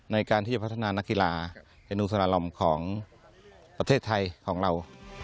ในการที่จะพัฒนานักกีฬาเป็นอุสลาลอมของประเทศไทยของเรา